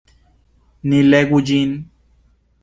Ni legu ĝin!